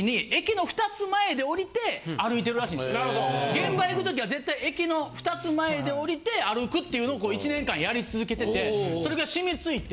現場行くときは絶対駅の２つ前で降りて歩くっていうのを１年間やり続けててそれが染みついて。